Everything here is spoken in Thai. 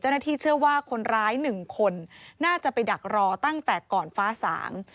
เจ้าหน้าที่เชื่อว่าคนร้าย๑คนน่าจะไปดักรอตั้งแต่ก่อนฟ้าสาง